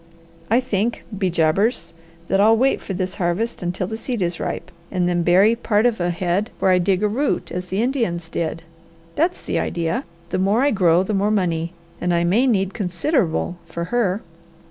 I think, be jabbers, that I'll wait for this harvest until the seed is ripe, and then bury part of a head where I dig a root, as the Indians did. That's the idea! The more I grow, the more money; and I may need considerable for her.